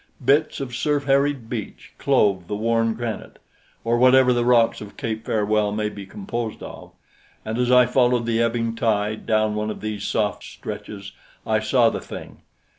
Bits of surf harried beach clove the worn granite, or whatever the rocks of Cape Farewell may be composed of, and as I followed the ebbing tide down one of these soft stretches, I saw the thing.